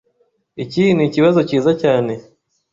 Iki nikibazo cyiza cyane.